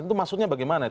itu maksudnya bagaimana